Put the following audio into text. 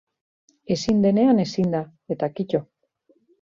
Ezin denean ezin da, eta kitto!